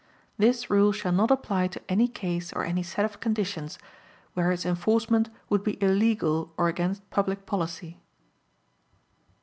This rule shall not apply to any case or any set of conditions where its enforcement would be illegal or against public policy.